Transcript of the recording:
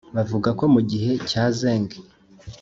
Bavuga ko mu gihe cya Zheng